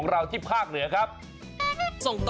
ไหนปี้ไปไหน